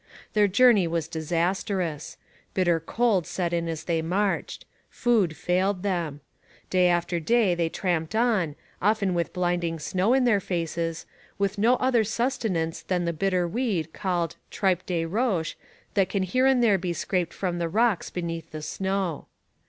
Their journey was disastrous. Bitter cold set in as they marched. Food failed them. Day after day they tramped on, often with blinding snow in their faces, with no other sustenance than the bitter weed called tripe de roche that can here and there be scraped from the rocks beneath the snow.